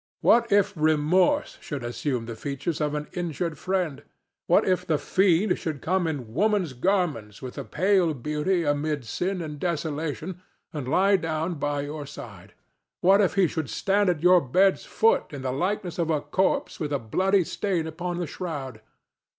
What if Remorse should assume the features of an injured friend? What if the fiend should come in woman's garments with a pale beauty amid sin and desolation, and lie down by your side? What if he should stand at your bed's foot in the likeness of a corpse with a bloody stain upon the shroud?